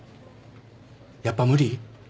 やっぱ無理？